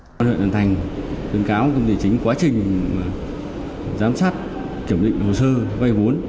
công an huyện thuận thành đơn cáo công ty chính quá trình giám sát kiểm định hồ sơ vây vốn